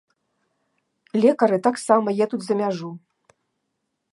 Лекары таксама едуць за мяжу.